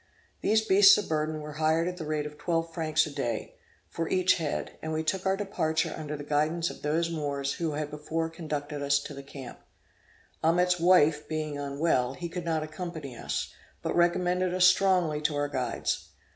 These beasts of burden were hired at the rate of 12 francs a day, for each head, and we took our departure under the guidance of those Moors who had before conducted us to the camp. Amet's wife being unwell, he could not accompany us, but recommended us strongly to our guides.